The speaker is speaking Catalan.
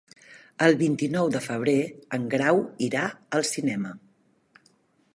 El vint-i-nou de febrer en Grau irà al cinema.